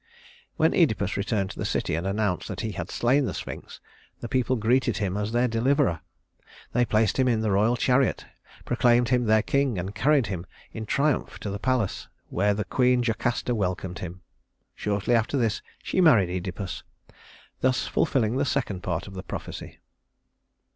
When Œdipus returned to the city and announced that he had slain the Sphinx, the people greeted him as their deliverer. They placed him in the royal chariot, proclaimed him their king, and carried him in triumph to the palace, where the queen Jocasta welcomed him. Shortly after this she married Œdipus, thus fulfilling the second part of the prophecy.